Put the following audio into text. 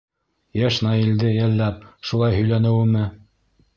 Йәш Наилде йәлләп шулай һөйләнеүеме?